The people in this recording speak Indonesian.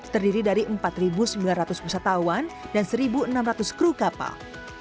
terdiri dari empat sembilan ratus wisatawan dan satu enam ratus kru kapal